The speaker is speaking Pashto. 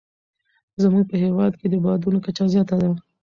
زموږ په هېواد کې د بادونو کچه زیاته ده.